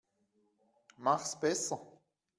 Mach's besser.